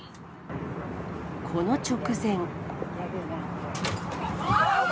この直前。